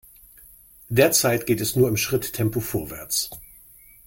Derzeit geht es nur im Schritttempo vorwärts.